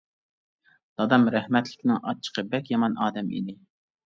دادام رەھمەتلىكنىڭ ئاچچىقى بەك يامان ئادەم ئىدى.